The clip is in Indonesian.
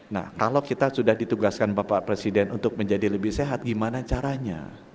nah kalau kita sudah ditugaskan bapak presiden untuk menjadi lebih sehat gimana caranya